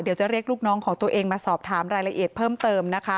เดี๋ยวจะเรียกลูกน้องของตัวเองมาสอบถามรายละเอียดเพิ่มเติมนะคะ